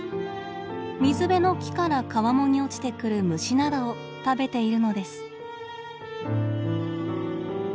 水辺の木から川面に落ちてくる虫などを食べているのです。